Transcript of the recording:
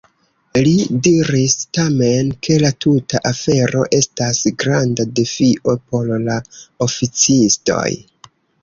Li diris tamen, ke la tuta afero estas granda defio por la oficistoj.